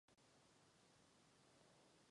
Nic více a nic méně než to udělat nemůžeme.